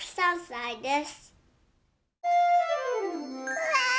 うわ！